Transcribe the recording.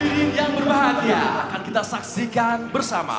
hari yang berbahagia akan kita saksikan bersama